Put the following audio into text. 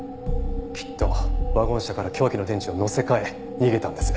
きっとワゴン車から凶器の電池を載せ換え逃げたんです。